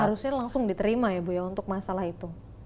harusnya langsung diterima ya bu ya untuk masalah itu